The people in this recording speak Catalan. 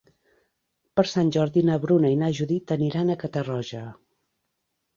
Per Sant Jordi na Bruna i na Judit aniran a Catarroja.